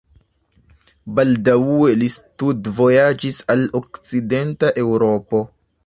Baldaŭe li studvojaĝis al okcidenta Eŭropo.